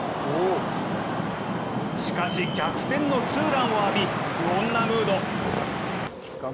しかし、逆転のツーランを浴び不穏なムード。